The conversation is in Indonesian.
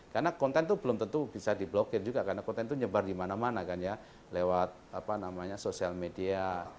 karena konten itu belum tentu bisa di blokir juga karena konten itu nyebar dimana mana kan ya lewat apa namanya sosial media